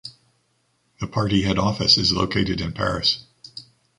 The party head office is located in Paris.